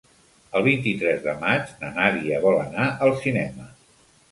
El vint-i-tres de maig na Nàdia vol anar al cinema.